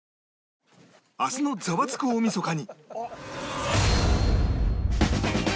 明日の『ザワつく！大晦日』に